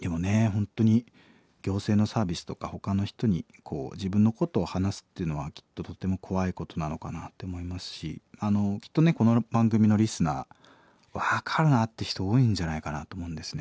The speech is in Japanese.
本当に行政のサービスとかほかの人に自分のことを話すっていうのはきっととても怖いことなのかなって思いますしきっとねこの番組のリスナー分かるなっていう人多いんじゃないかなと思うんですね。